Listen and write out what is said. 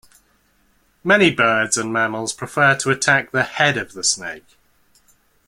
Many birds and mammals prefer to attack the head of the snake.